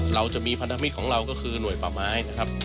เราจะมีพันธมิตรของเราก็คือหน่วยป่าไม้นะครับ